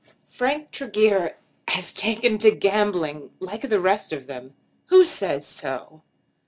Frank Tregear has taken to gambling, like the rest of them." "Who says so?"